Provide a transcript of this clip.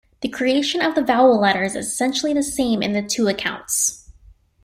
The creation of the vowel letters is essentially the same in the two accounts.